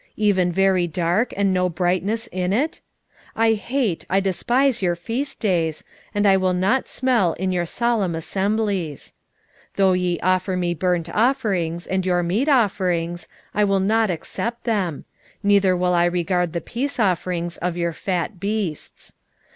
even very dark, and no brightness in it? 5:21 I hate, I despise your feast days, and I will not smell in your solemn assemblies. 5:22 Though ye offer me burnt offerings and your meat offerings, I will not accept them: neither will I regard the peace offerings of your fat beasts.